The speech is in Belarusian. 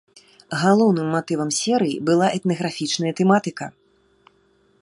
Галоўным матывам серыі была этнаграфічная тэматыка.